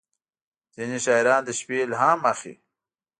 • ځینې شاعران د شپې الهام اخلي.